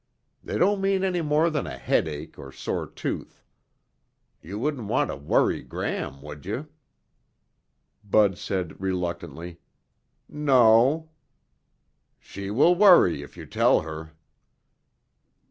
They don't mean any more than a headache or sore tooth. You wouldn't want to worry Gram, would you?" Bud said reluctantly, "No." "She will worry if you tell her."